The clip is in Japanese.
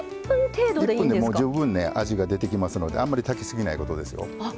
１分で十分、味が出てきますのであんまり炊きすぎないことですよ。